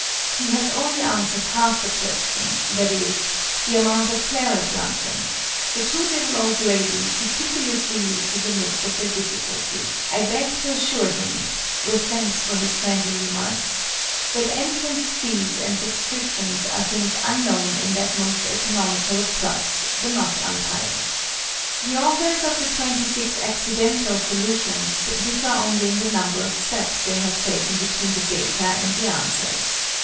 He has only answered half the question, viz. the amount of Clara's luncheon: the two little old ladies he pitilessly leaves in the midst of their "difficulty." I beg to assure him (with thanks for his friendly remarks) that entrance fees and subscriptions are things unknown in that most economical of clubs, "The Knot Untiers." The authors of the 26 "accidental" solutions differ only in the number of steps they have taken between the data and the answers.